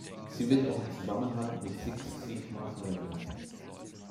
Sie wird auch im Zusammenhang mit Six Sigma verwendet.